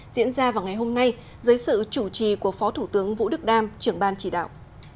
diễn ra vào ngày hôm nay dưới sự chủ trì của phó thủ tướng vũ đức đam trưởng ban chỉ đạo